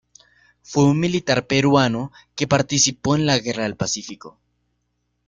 Fue un militar peruano que participó en la Guerra del Pacífico.